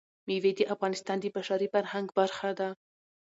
مېوې د افغانستان د بشري فرهنګ برخه ده.